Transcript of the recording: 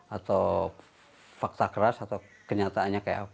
atau fakta keras atau kenyataannya kayak apa